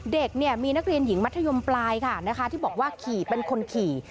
เด็กเนี่ยมีนักเรียนหญิงมัธยมปลายค่ะนะคะที่บอกว่าขี่เป็นคนขี่